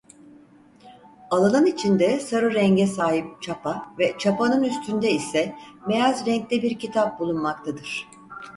Alanın içinde sarı renge sahip çapa ve çapanın üstünde ise beyaz renkte bir kitap bulunmaktadır.